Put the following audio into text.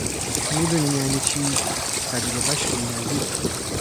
میدونین یعنی چی؟ تجربهاش بینظیره!